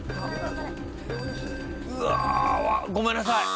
うわあごめんなさい。